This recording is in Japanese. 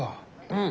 うん。